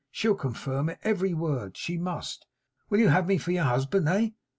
She'll confirm it, every word; she must. Will you have me for your husband? Eh?